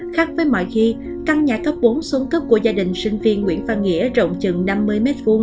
khác với mọi khi căn nhà cấp bốn xuống cấp của gia đình sinh viên nguyễn văn nghĩa rộng chừng năm mươi m hai